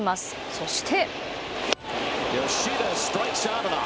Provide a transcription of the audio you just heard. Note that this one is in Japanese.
そして。